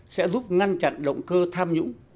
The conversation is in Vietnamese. sẽ giúp ngăn chặn động cơ tham nhũng